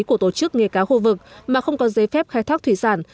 của tổ chức nghề cá khu vực mà không có giấy phép khai thác thủy sản